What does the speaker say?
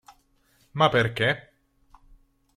Ma perché?